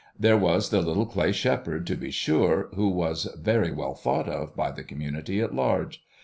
There was the little clay shepherd, to be sure, who was very well thought of by the community at large.